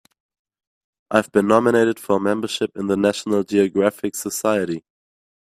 I've been nominated for membership in the National Geographic Society.